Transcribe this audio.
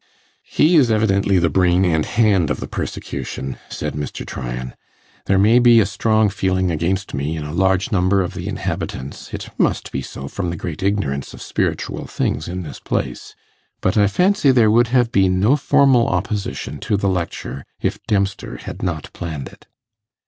'He is evidently the brain and hand of the persecution,' said Mr. Tryan. 'There may be a strong feeling against me in a large number of the inhabitants it must be so from the great ignorance of spiritual things in this place. But I fancy there would have been no formal opposition to the lecture, if Dempster had not planned it.